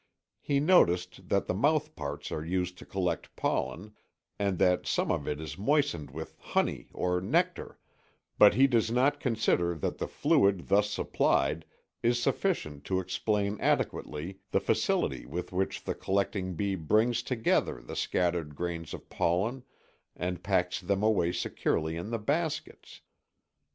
He noticed that the mouthparts are used to collect pollen, and that some of it is moistened with "honey" or "nectar," but he does not consider that the fluid thus supplied is sufficient to explain adequately the facility with which the collecting bee brings together the scattered grains of pollen and packs them away securely in the baskets.